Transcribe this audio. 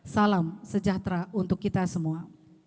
salam sejahtera untuk kita semua